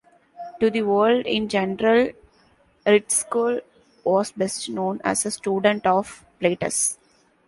To the world in general Ritschl was best known as a student of Plautus.